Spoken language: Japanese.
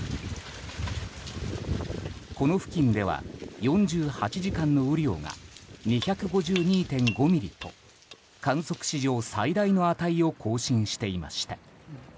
この付近では４８時間の雨量が２５２．５ミリと観測史上最大の値を更新していました。